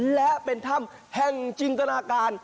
และเป็นถ้ำแห่งจินตนาการ